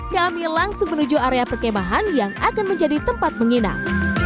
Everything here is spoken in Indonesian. kami langsung menuju area perkemahan yang akan menjadi tempat menginap